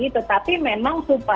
tetapi memang supaya